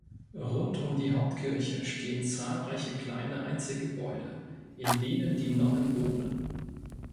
Rund um die Hauptkirche stehen zahlreiche kleine Einzelgebäude, in denen die Nonnen wohnen.